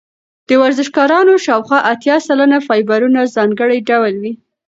د ورزشکارانو شاوخوا اتیا سلنه فایبرونه ځانګړي ډول وي.